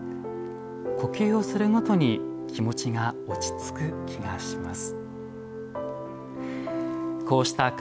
呼吸をするごとに気持ちが落ち着く気がします。